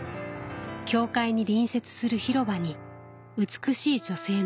教会に隣接する広場に美しい女性の銅像が立っています。